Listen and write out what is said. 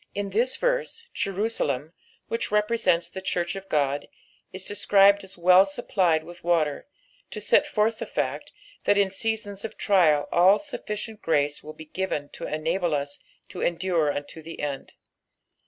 In this verse, Jerusalem, which represents the church of God, is described as well supplied with wster, to set forth the fact, that in seasons of trial all sufficient grace will be given to enable us to endure unto the end.